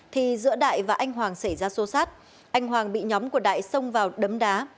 thì giữa đại và anh hoàng xảy ra xô xát anh hoàng bị nhóm của đại xông vào đấm đá